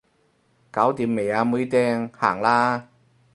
搞掂未啊妹釘，行啦